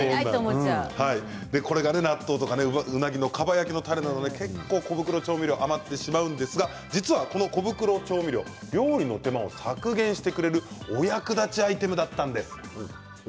納豆やうなぎのかば焼きのたれなど結構たまってしまうんですがこの小袋調味料、料理の手間を削減してくれるお役立ちアイテムだったんです。